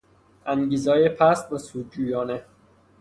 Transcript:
انگیزههای پست و سودجویانه